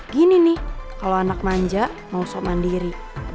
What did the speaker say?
gini nih kalo anak manja mau sok mandiri